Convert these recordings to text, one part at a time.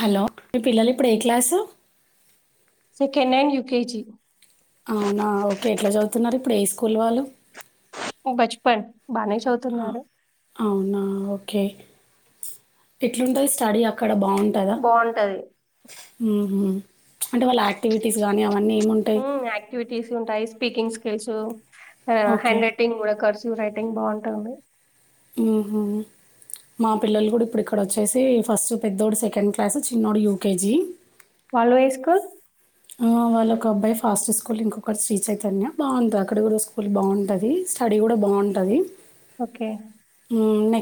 Hello మీ పిల్లలు ఇప్పుడు ఏ క్లాసు సకెండ్ హ్యాండ్ యూకేజ అవునా ఓకే ఎట్లా చదువుతున్నారు ఇప్పుడు ఏ స్కూల్ వాళ్ళు బచపన్ బానే ఆ! చదువుతున్నారు అవునా! ఓకే ఎట్లుంటది స్టడీ అక్కడ బాం బాంటది హ్మ్ అంటే వాళ్ళ యాక్టివిటీస్ గానీ అవన్నీ ఏముంటాయ్ తెలుసు హ్యాండ్ రైటింగ్ గూడా కర్స్ రైటింగ్ బాంటదండి హ్మ్ హు మా పిల్లలు కూడా ఇప్పుడు ఇక్కడ వచ్చేసి ఫస్ట్ పెద్దోడు సెకండ్ క్లాసు చిన్నోడు యూకేజీ వాళ్ల వసుకు వాళ్ళొ ఒక అబ్బాయి ఫాస్ట్ స్కూల్ ఇంకొకటి శ్రీ చైతన్య బాంది అక్కడ కూడా స్కూల్ బాంటది స్టడీ కూడా బాంటది ఓకే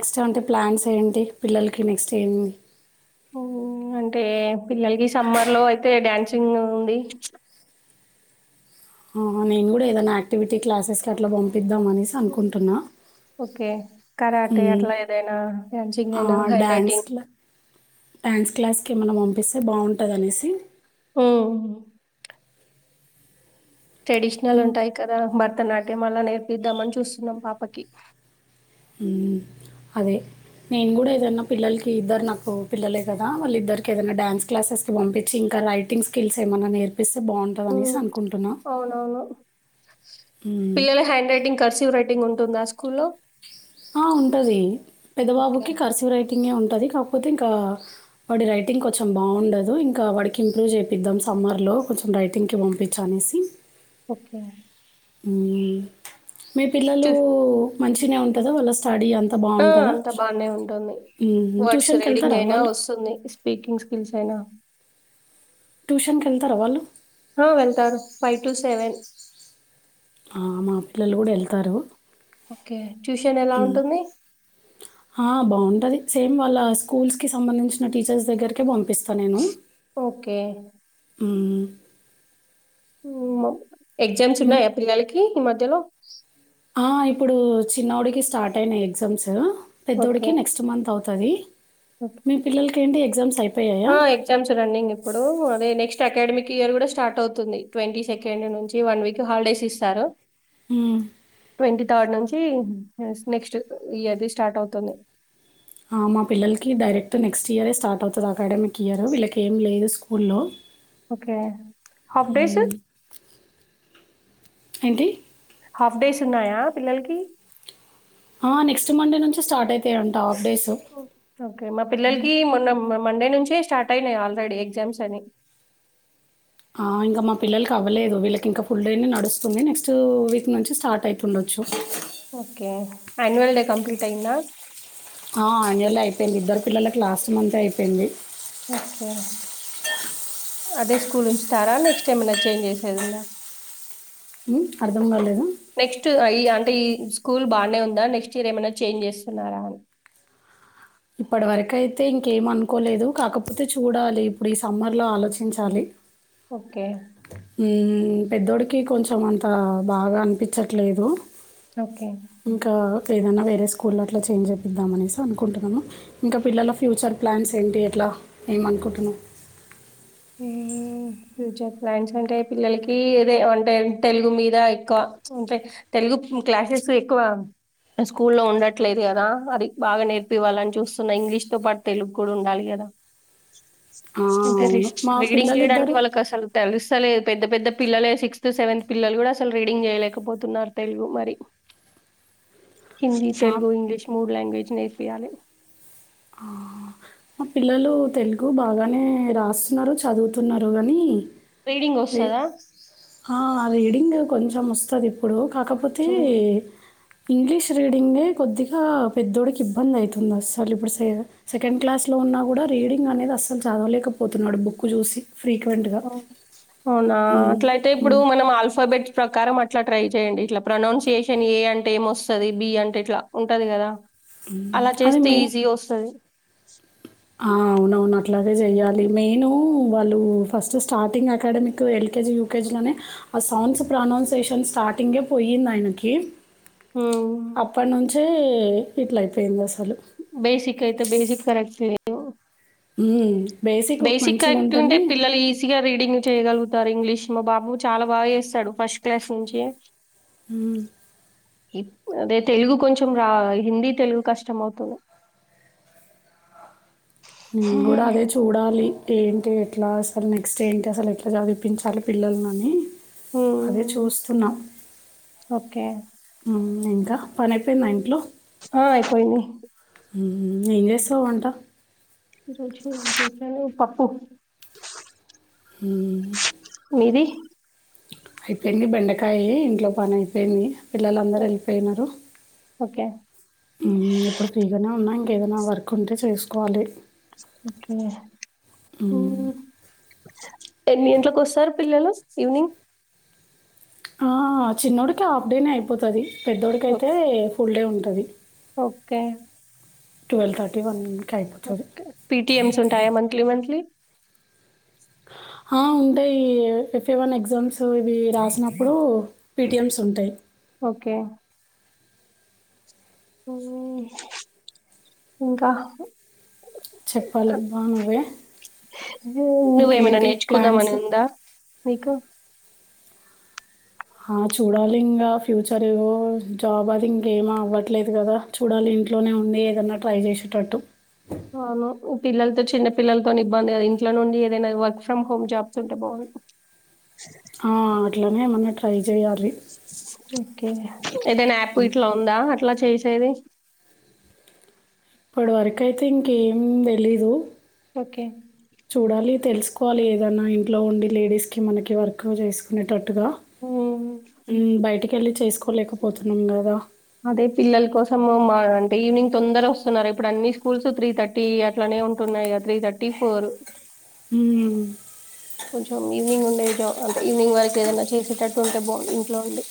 నెక్స్ట్ అంటే ప్లాన్స్ ఏంటి పిల్లలకి నెక్స్ట్ ఏమ్ అంటే పిల్లలకి సమ్మర్ లో అయితే డ్యాన్సింగ్ ఉంది ఆ నేను గూడా ఏదైనా యాక్టివిటీ క్లాసెస్ కి అట్లా పంపి ద్దామనేసి హ్మ్. అనుకుంటున్నా ఓకే. కరాటే హ్మ్ అట్లా ఏదైనా డాన్సింగ్ ఆ అయినా హ్యాండ్ రైటింగ్. డ్యాన్స్ క్లాస్ కి ఎమన్నా పిస్తే బాగుంటది అనేసి హ్మ్ హు ట్రెడిషనల్ ఇంక్ ఉంటాయి కదా బర తనాట్యం అలా నేర్పిద్దామని చూస్తున్నాం పాపకి హ్మ్ అదే నేను గూడా ఏదైనా పిల్లలకి ఇద్దరు నాకు పిల్లలే కదా వాళ్ళు ఇద్దరికి ఏదైనా డ్యాన్స్ క్లాసెస్కి పంపించి ఇంకా రైటింగ్ స్కిల్స్ ఏమైన్నా నేర్ హ్మ్ అవునవును హ్మ్. పిల్లల handwriting cursive writing ఉంటుందా స్కూల్‌లో? ఆ ఉంటది పెద్ద ఓకే. బాబుకి కర్సివ్ రైటింగే ఉంటది కా కాకపోతే ఇంకా వాడి రైటింగ్ కొంచెం బాగుండదు ఇంకా వాడికి ఇంప్రూవ్ చేపిద్దాం సమ్మర్లో కొంచెం రైటింగ్కి పంపించి అనేసి ఒకే హ్మ్ మీ పిల్లలు చూస్ మంచినే ఉంటదా వాళ్ళ స్టడీ అంతా ఆ బావుంటదా? అంత బానే ఉంటుంది హ్మ్. వర్డ్స్ రీడింగ్ ట్యూషన్‌కెళ్తారా అయినా వాళ్ళు? వస్తుంది స్పీకింగ్స్ స్కిల్స్ అయినా ట్యూషన్కి వెళ్తారా వాళ్ళు ఫైవ్ టూ సెవెన్ ఆ మా పిల్లలు గూడా ఎళ్తారు ఓకే ట్యూషన్ ఎలా ఉంటుంది ఆ! బావుంటది. సేమ్ వాళ్ళ స్కూల్స్ కి సంబంధించిన టీచర్స్ దగ్గరికే పంపిస్తా నేను ఓకే మ్మ్ మ్మ్ ఎగ్జామ్స్ ఉన్నాయా పిల్లలకి ఈ మధ్యలో ఆ ఇప్పుడు చిన్నోడికి స్టార్ట్ అయినాయి ఎగ్జామ్స్ ఓకే. పెద్దోడికి నెక్స్ట్ మంత్ అవు తది ఓకే. మీ పిల్లలకి ఏంటి ఎగ్జామ్స్ అయి ఆ ఎగ్జామ్స్ రన్నింగ్ ఇప్పుడు అదే నెక్స్ట్ అకాడమిక్ ఇయర్ కూడా స్టార్ట్ అవుతుంది ట్వంటీ సెకండ్ నుంచి వన్ వీక్ హాలిడేస్ ఇస్తారు మ్మ్ ట్వంటీ థర్డ్ నుంచి నెక్స్ట్ ఇయర్ది స్టార్ట్ అవుతుంది ఆ మా పిల్లలకి డైరెక్ట్ నెక్స్ట్ ఇయరే స్టార్ట్ అవుతది. అకాడమిక్ ఇయర్ వీళ్ళకి ఏం లేదు స్కూల్లో ఓకే హాఫ్ డేస్ ఏంటి హాఫ్ డేస్ ఉన్నాయా పిల్లలకి ఆ నెస్ట్ మండే నుంచి స్టార్ట్ అయి ఓకే మా పిల్లలకి మొన్న మండే నుంచే స్టార్ట్ అయినాయి ఆల్రెడీ ఎగ్జామ్స్ అని ఆ ఇంకా మా పిల్లలకి అవ్వలేదు వీళ్ళకి ఇంకా ఫుల్ డే నే నడుస్తుంది నెక్స్ట్ వీక్ నుంచి స్టార్ట్ అవుతుండొచ్చు ఓకే ఆన్యువల్ డే కంప్లీట్ అయ్యిందా ఆ ఆన్వల్ అయిపోయింది ఇద్దరు పిల్లలకి లాస్ట్ మంతే అయిపోయింది ఓకే అదే స్కూల్ ఉంచుతారా నెక్స్ట్ టైమ్ ఇంగ చేంజ్ చేసేదుందా మ్మ్ అర్ధం కాలేదా తే ఈ స్కూల్ బానే ఉందా నెక్స్ట్ ఇయర్ ఏమైనా చేంజ్ చేస్తున్నారా అని ఇప్పటి వరకయితే ఇంకేం అనుకోలేదు. కాకపోతే చూడాలి ఇప్పుడు ఈ సమ్మర్లో ఆలోచించాలి ఓకే. మ్మ్ పెద్దోడికి కొంచెం అంత బాగా అనిపించట్లేదు ఓకే ఏదన్నా వేరే స్కూల్లో అట్లా చేంజ్ చేపిద్దామనేసి అనుకుంటున్నాము ఇంక పిలల ఫ్యూచర్ ప్లాన్స్ ఏంటి ఎట్లా ఏమనుకుంటున్నావ్ మ్మ్ ఫ్యూచర్ ప్లాన్స్ అంటే పిల్లలకి ఏదే అంటే తెలుగు మీద ఎక్కువ అంటే తెలుగు క్లాసెస్ ఎక్కువ స్కూ లో ఉండట్లేదు కదా అది బాగా నేర్పివ్వాలని చూస్తున్న ఇంగ్లీష్ తో పాటు తెలుగు కూడా ఉండాలి కదా ఆ! అవును. మా [unintelligible] రీడింగ్ చేయడానికి పిల్లలిద్దరు వాళ్ళకి అసలు తెలుస్తలేదు పెద్ద పెద్ద పిల్లలే సిక్స్త్, సెవెంత్ పిల్లలు కూడా అసలు రీడింగ్ చేయలేకపోతున్నారు తెలుగు మరి హింది, మా తెలుగు, ఇంగ్లీష్ మూడు లాంగ్వజ్ నేఫియే మా పిల్లలు తెలుగు బాగానే రాస్తున్నారు చదువుతున్నారు కానీ రీడింగ్ ఒస్తదా? ఆ అద ఎడింగ కొంచం ముస్తదిపు ఇప్పుడు కాకపోతే హ్మ్. ఇంగ్లీష్ రీడింగే కొద్దిగా పెద్దోడికి ఇబ్బంది అవుతుంది అసలు ఇప్పుడు స సెకండ్ క్లాస్లో ఉన్నా కూడా రీడింగ్ అనేది అస్సలు చదవలేకపోతున్నాడు బుక్ చూసి అవునా హ్మ్. అట్లయితే ఇప్పుడు హ్మ్. మనం ఆల్ఫాబెట్స్ ప్రకారం అ ఇట్లా ట్రై చేయండి ఇట్లా ప్రొనౌన్సియేషన్ ఏ అంటే ఏంొస్తుంది బి అంటే ఇట్లా ఉంటది కదా హ్మ్. అలా చేస్తే ఈజీ వస్తుది అవున అవును అట్లాగే చెయ్యాలి మెయిను వాళ్ళు ఫస్ట్ స్టార్టింగ్ అకాడమిక్ ఎల్కేజీ యూకేజీలోనే ఆ సాడ్స్ ప్రొనౌన్సేషన్ స్టార్టింగే పోయింది ఆయనకి హ్మ్. అప్పటి నుంచి ఇట్లా అయిపోయింది అసలు బేసిక్ అయితే బేసిక్ కరక్తు హ బేసిక్ కరెక్ట్ ఉంటే పిల్లలు ఈజీగా రీడింగ్ చేయగలుగు రు ఇంగ్లీష్ మా బాబు చాలా బాగా చేస్తాడు ఫస్ట్ క్లాస్ నుంచి అ అదే తెలుగు కొంచెం రా హిందీ తెలుగు కష్టం అవుతుంది కూడా అదే చూడాలి ఏంటి ఎట్లా అసలు నెక్స్ట్ ఏంటి అసలు ఎట్లా చదిపించాలి పిల్లలను అని అదే హ్మ్. చూస్తున్నాం ఓకే. ఇంకా పని అయిపోయింది ఇంట్లో హా అయిపోయింది హమ్ హమ్ ఏం చేస్తావు వంట రోజు పప్పూ మ్ అయిపోయింది బెండకాయ్ ఇంట్లో పని అయిపోయింది పిల్లలు అందరూ వెళ్ళిపోయిన్రు ఓకే. హమ్ ఇప్పుడు ఫ్రీగానే ఉన్నా ఏదైనా వర్క్ ఉంటే చేసుకోవాలి హ్మ్. హమ్ ఎన్నింటికీ వస్తారు పిల్లలు ఈవినింగ్ ఆ చిన్నోడికి హాఫ్ డేనే అయిపోతది పెద్దొడికి ఓ- అయితే ఫుల్ డే ఉంటది okay twelve thirty one okay PTMs ఉంటాయా మంత్లీ మంత్లీ హా ఆ ఉంటాయి ఎఫ్ఏ వన్ ఎగ్జామ్స్ ఇవి రాసినప్పుడు పీటిఎమ్స్ ఉంటాయి ఓకే హ్మ్ ఇంకా చెప్పాలి బా నువ్వే నువ్వేమనా ఇంకేంటి ప్లాన్స్ నేర్చుకుందామని ఉందా నీకు ఆ చూడాలి ఇంగా ఫ్యూచర్ జాబ్ అది ఇంగేం అవ్వట్లేదు కదా చూడాలి ఇంట్లోనే ఉండి ఏదన్నా ట్రై చేసేటట్టు అవును ఈ పిల్లలతో చిన్న పిల్లలతోని ఇబ్బంది కదా ఇంట్లోనే ఉండి ఏదైనా వర్క్ ఫ్రమ్ హోమ్ జాబ్స్ ఉంటే బాగుండు ఆ అట్లనే మొన్నట్ ఓకే ఏదైనా యాప్ ఇట్లా ఉందా అట్లా చేస్ తేది ఇప్పుడు వరకు అయితే ఇంకేం దెలీదు ఓకే చూడాలి తెలుస్ కోవాలి ఏదన్నా ఇంట్లో ఉండి లేడీస్ కి మనకి వర్క్ చేసుకునేటట్ టుగ ఉమ్, హ్మ్ బయటిక వెళ్ళి చేసుకోలేకపోతున్నాం గదా అదే పిల్లల కోసం మా అంటే ఈవినింగ్ తొందర వస్తున్నారా ఇప్పుడు అన్ని స్కూల్స్ త్రీ థర్టీ అట్లనే ఉంటున్నాయి త్రీ థర్టీ ఫోర్ హ్మ్ కొంచెం ఈవినింగ్ ఉండే అంటే ఈవినింగ్ వరకు ఏదైనా చేసేటట్టు ఉంటే బా ఇంట్లో ఉండి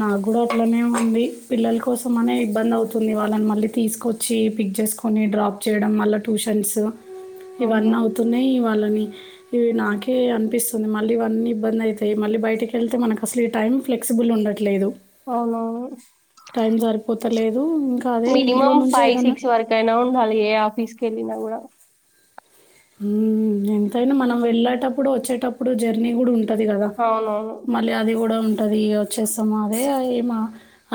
నాకు కూడా అట్లనే ఉంది పిల్లల కోసం అనే ఇబ్బంది అవుతుంది వాళ్ళని మళ్ళీ తీసుకొచ్చి పిక్ చేసుకొని డ్రాప్ చేయడం మల్లా టూషన్సు అవును ఇవన్నీ అవుతున్నాయి వాళ్ళని ఇవి నాకే అనిపిస్తుంది మళ్ళీ ఇవన్నీ ఇబ్బంది అవుతాయి మళ్ళీ బయటకి వెళ్తే మనకు అసలు టైం ఫ్లెక్సిబుల్ ఉండట్ లేదు అవునవును సరిపోతలేదు. ఇంకా అదే ఇంట్లో మినిమమ్ నుంచే ఫైవ్ ఏదన్నా సిక్స్ వరకైనా ఉండాలి ఏ ఆఫిస్ ఎల్లినా గూడా హ్మ్ ఎంతైనా మనం వెళ్ళేటప్పుడు వచ్చేటప్పుడు జర్నీ గూడు ఉం ఉంటది కదా అవునవును మళ్ళీ అది కూడా ఉంటది వచ్చేస్తాము అదే మా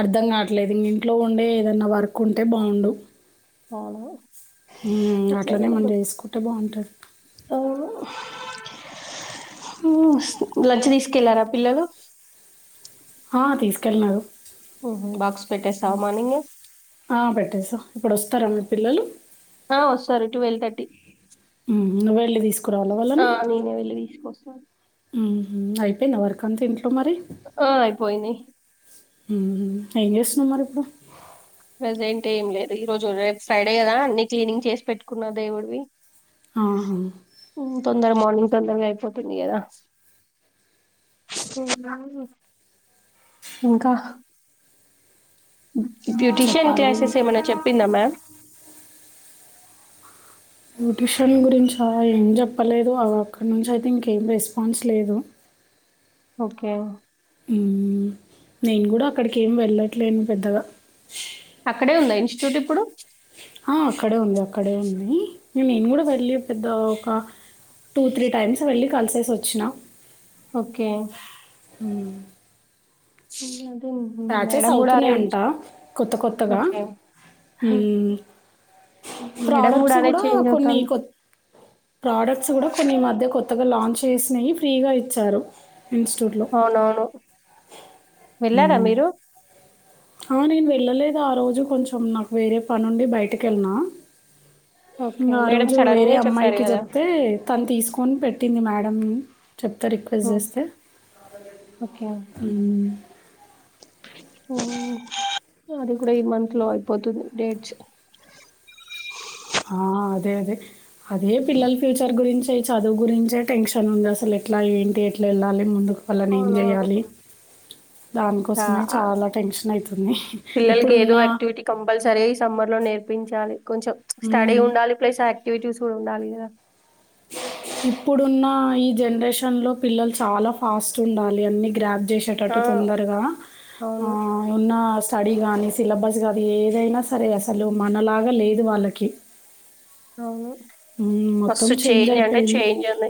అర్థం గాట్లేదు ఇంగ ఇంట్లో ఉండే ఏదన్నా వర్క్ ఉంటే బావుండు అవును హ్మ్. అట్లనే మనం జేసుకుంటే బావుంటది. ఓ లంచ్ తీసుకెళ్లారా పిల్లలు ఆ తీసుకెల్నారు హ్మ్ హు బాక్స్ పెట్టేశావా మార్నింగే తర మీ పిల్లలు ఆ వస్తారు ట్వెల్వ్ థర్టీ హ్మ్ వెళ్ళిదిస్ ఆ నేనే వెళ్ళి తీసుకోస్త బ అయిపోయిందా వర్క్ అంత ఇంట్లో ఆ ఆయిపోయింది మ్మ్ ఏం చేస్తున్నావు మరి ఇంక ంట ఏం లేదు ఈ రోజు రేపు ఫ్రైడే కదా అన్ని క్లినింగ్ చేసి పెట్టుకున్న దేవుడివి ఆ ఇందాక మార్నింగ్ తొందరగా అయిపోతుంది కదా [inaudible] ఇంకా బ్యూటీషియన్ చెప్పాలి. క్లాసెస్ ఏమైనా చెప్పిందా మ్యామ్ బ్యూటిషన్ గురించి మ్యామ్ ఏం చెప్పలేదు అ అక్కడి నుంచి అయితే ఇంకేం రెస్పాన్స్ లేదు ఓకే మ్మ్ నేను కూడా అక్కడికి ఏమి వెళ్ళట్లేను పెద్దగా అక్కడే ఉందా ఇన్స్టిట్యూట్ ఇప్పుడు ఆ అక్కడే ఉంది అక్కడే ఉంది నేను కూడా వెళ్ళి పెద్ద ఒక టూ, త్రీ టైమ్స్ వెళ్ళి కలిసేసి వచ్చినా ఓకే అ [inaudible] ప్యాచెస్ మేడం కూడా అదే అవుతున్నాయంట కొత్త కొత్తగా ఓకే మేడం ప్రాడక్ట్స్ అదే కూడా చేంజ్ కొన్ని అవుతాను కొ ప్రాడక్ట్స్ కూడా కొన్ని మధ్య కొ త్తగా లాంచ్ చేసినవి ఫ్రీగా ఇచ్చారు ఇన్స్టిట్యూట్లో అవునవును వెళ్ళార మ్మ్. మీర్ హలో నేను వెళ్ళలేదు ఆ రోజు కొంచెం నాకు వేరే పనుండి బయటకి వెళ్ళినా ఓకే ఆ మేడం రోజు సడన్ వేరే గా చెప్పారు అమ్మాయికి కదా చెప్తే తను తీసుకొని పెట్ట ట్టింది మేడం చెప్తా రిక్వెస్ట్ ఉమ్, చేస్తే ఓకే అది కూడా ఈ మంత్ లో అయిపోతుంది డేట్స్ ఆ అదే అదే అదే పిల్లల ఫ్యూచర్ గురించి ఈ చదువు గురించే టెన్షన్ ఉంది అసలు ఎట్లా ఏంటి ఎట్లా వెళ్ళాలి ముందుకు వాళ్ళని ఏం అవునవును చేయాలి దానికోసమే చా- చాలా టెన్షన్ అయితుంది పిల్లలకి ఇప్పుడున్న పించాలి కొంచెం స్టడీ హ్మ్. ఉండాలి. ప్లస్ యాక్టివిటీస్ కూడా ఉండాలి ద ఇప్పుడున్న ఈ జనరేషన్ లో పిల్లలు చాలా ఫాస్ట్ ఉండాలి అన్ని గ్రా చేసేటట్టు ఆ. తొందరగా ఆ అవును. ఉన్న స్టడీ కానీ సిలబస్ కానీ ఏదైనా సరే అసలు మనలాగా లేదు వాళ్ళకి అవును మొత్తం మస్తు చేంజ్ అంటే అయిపోయింది చేంజ్ ఉంది.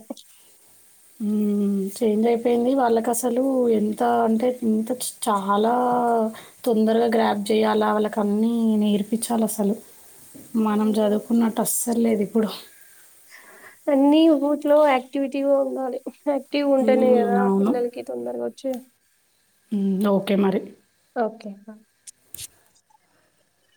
ఉం చేంజ్ అయిపోయింది వాళ్ళకి అసలు ఎంత అంటే ఇంత చాలా తొందరగా గ్రాప్ చేయాలి వాళ్ళక అన్ని నేర్పించాలి అసలు మనం హ్మ్. చదువుకున్నట్టు అసల్లేదు ఇప్పుడు ఫ్లో యాక్టివిటీవో ఉండాలి యాక్టివ్గా ఉంటేనే కదా ఉమ్, అవును పిల్లలకి తొందరగా వచ్చేది కే మరి ఓకే